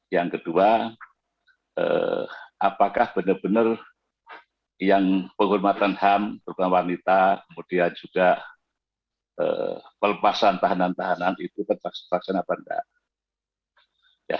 yang kedua apakah benar benar penghormatan ham terhadap wanita kemudian juga pelepasan tahanan tahanan itu terpaksa atau tidak